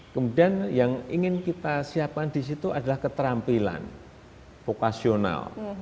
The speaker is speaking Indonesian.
kemudian yang ingin kita siapkan di situ adalah keterampilan vokasional